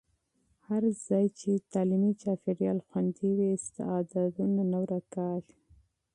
هر ځای چې تعلیمي چاپېریال خوندي وي، استعدادونه نه ورکېږي.